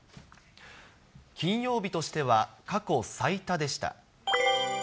金曜日としては過去最多でした。